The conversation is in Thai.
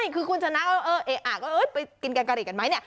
คือคุณชนะก็ไปกินแกงกะหรี่กันไหมเนี่ย